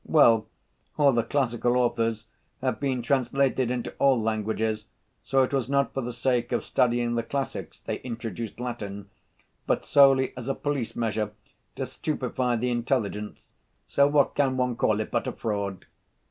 "Well, all the classical authors have been translated into all languages, so it was not for the sake of studying the classics they introduced Latin, but solely as a police measure, to stupefy the intelligence. So what can one call it but a fraud?"